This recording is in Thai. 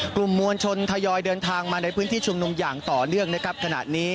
กลุ่มมวลชนทยอยเดินทางมาในพื้นที่ชุมนุมอย่างต่อเนื่องนะครับขณะนี้